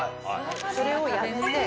それをやめて。